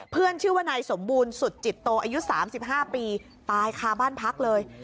ชื่อว่านายสมบูรณ์สุดจิตโตอายุ๓๕ปีตายคาบ้านพักเลย